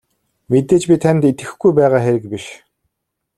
Мэдээж би танд итгэхгүй байгаа хэрэг биш.